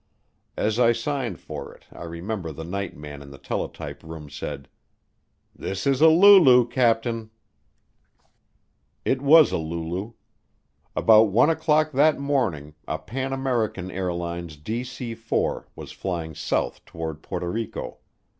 As I signed for it I remember the night man in the teletype room said, "This is a lulu, Captain." It was a lulu. About one o'clock that morning a Pan American airlines DC 4 was flying south toward Puerto Rico.